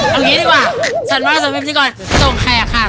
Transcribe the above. เอาแบบนี้ดีกว่าฉันว่าสปิพิธีกรส่งแขกค่ะ